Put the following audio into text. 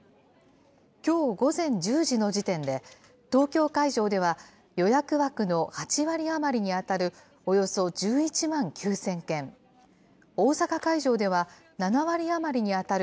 きょう午前１０時の時点で、東京会場では予約枠の８割余りに当たる、およそ１１万９０００件、大阪会場では７割余りに当たる